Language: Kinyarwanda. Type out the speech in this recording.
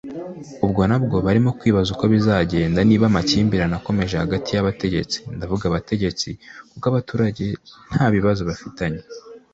Ubwo nabo barimo kwibaza uko bizagenda niba amakimbirane akomeje hagati y’abategetsi ndavuga abategetsi kuko abaturage ntabibazo bafitanye